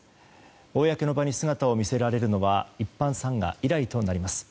公の場に姿を見せられるのは一般参賀以来となります。